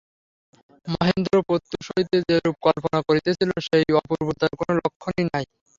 মহেন্দ্র প্রত্যুষ হইতে যেরূপ কল্পনা করিতেছিল, সেই অপূর্বতার কোনো লক্ষণই নাই।